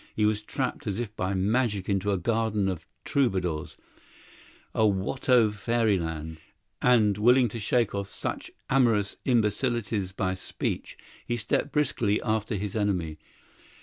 He was trapped as if by magic into a garden of troubadours, a Watteau fairyland; and, willing to shake off such amorous imbecilities by speech, he stepped briskly after his enemy.